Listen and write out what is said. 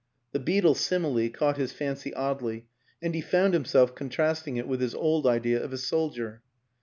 The beetle simile caught his fancy oddly, and he found himself contrasting it with his old idea of a sol dier.